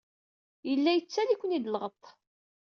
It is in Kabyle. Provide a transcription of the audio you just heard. Yella yettaley-iken-id lɣeṭṭ.